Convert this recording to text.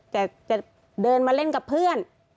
แต่จะเดินมาเล่นกับเพื่อน